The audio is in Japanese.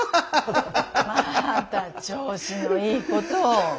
また調子のいいことを。